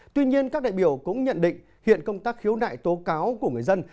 tuy nhiên các đại biểu cũng nhận định hiện công tác khiếu nại tố cáo của người dân